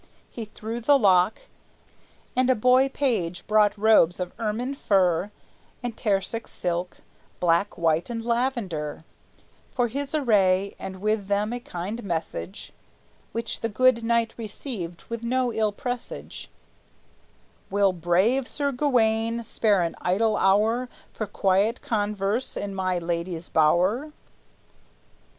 He threw the lock, And a boy page brought robes of ermine fur And Tarsic silk, black, white, and lavender, For his array, and with them a kind message, Which the good knight received with no ill presage: "Will brave Sir Gawayne spare an idle hour For quiet converse in my lady's bower?"